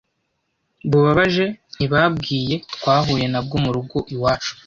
bubabaje ntababwiye twahuye nabwo mu rugo iwacu,